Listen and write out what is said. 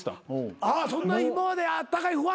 あっそんな今まであったかいファンが？